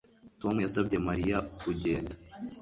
Tom yasabye Mariya kugenda